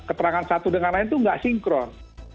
keterangan satu dengan lain itu nggak sinkron